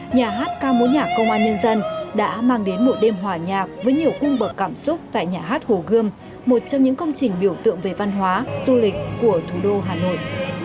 nhà hát ca mối nhạc công an nhân dân đã mang đến một đêm hòa nhạc với nhiều cung bậc cảm xúc tại nhà hát hồ gươm một trong những công trình biểu tượng về văn hóa du lịch của thủ đô hà nội